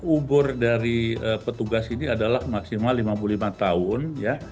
umur dari petugas ini adalah maksimal lima puluh lima tahun ya